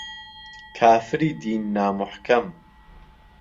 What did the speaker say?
کافری دین نا موحکەم